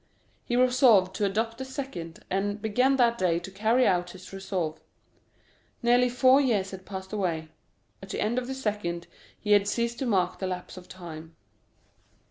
He resolved to adopt the second, and began that day to carry out his resolve. 0185m Nearly four years had passed away; at the end of the second he had ceased to mark the lapse of time.